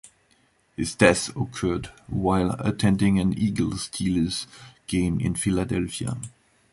His death occurred while attending an Eagles-Steelers game in Philadelphia.